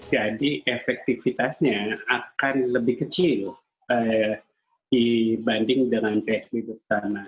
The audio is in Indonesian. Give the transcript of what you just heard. jadi efektivitasnya akan lebih kecil dibanding dengan psbb pertama